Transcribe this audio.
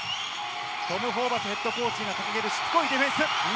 トム・ホーバスＨＣが掲げる、しつこいディフェンス。